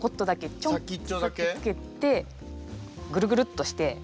チョンって先つけてぐるぐるっとして。